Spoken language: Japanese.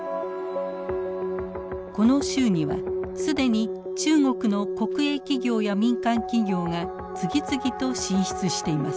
この州には既に中国の国営企業や民間企業が次々と進出しています。